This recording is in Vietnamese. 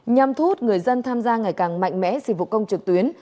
nhằm thu hút người dân tham gia ngày càng mạnh mẽ dịch vụ công trực tuyến